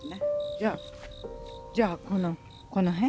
じゃあじゃあこの辺？